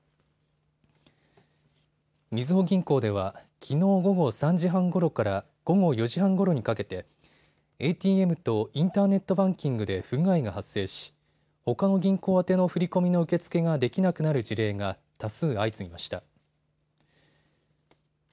みずほ銀行ではきのう午後３時半ごろから午後４時半ごろにかけてＡＴＭとインターネットバンキングで不具合が発生しほかの銀行宛ての振り込みの受け付けができなくなる事例が多数相次ぎました。